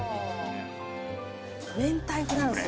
明太フランス。